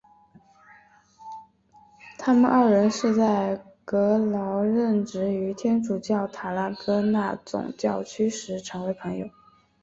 他们二人是在格劳任职于天主教塔拉戈纳总教区时成为朋友。